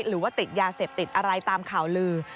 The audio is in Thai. หรือว่าติดยาเสพติดอะไรตามข่าวลือ